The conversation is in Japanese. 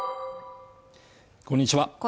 こんにちは